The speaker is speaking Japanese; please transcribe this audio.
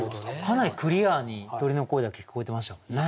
かなりクリアに鳥の声だけ聞こえてましたもんね。